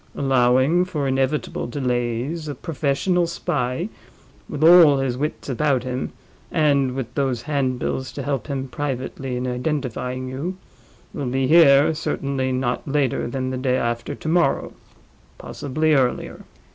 Allowing for inevitable delays, a professional spy, with all his wits about him, and with those handbills to help him privately in identifying you, will be here certainly not later than the day after tomorrow—possibly earlier.